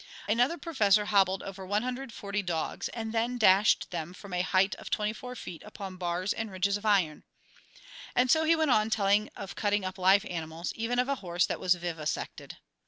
Another professor "hobbled" over 140 dogs, and then dashed them from a height of twenty four feet upon bars and ridges of iron. And so he went on telling of cutting up live animals, even of a horse that was vivisected.